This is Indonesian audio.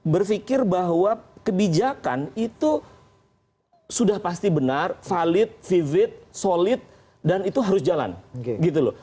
berpikir bahwa kebijakan itu sudah pasti benar valid vivit solid dan itu harus jalan gitu loh